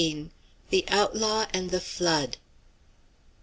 THE OUTLAW AND THE FLOOD.